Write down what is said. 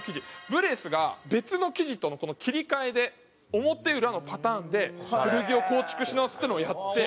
ブレスが別の生地との切り替えで表裏のパターンで古着を構築し直すっていうのをやって。